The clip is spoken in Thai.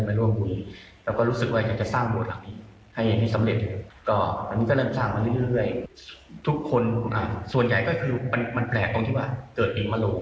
อเมริกาบาเลียนญี่ปุ่นหรือฮ่องโกงหรือที่ไหนก็ได้